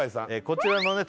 こちらのね